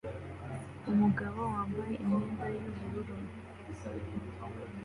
Umugabo wambaye imyenda yubururu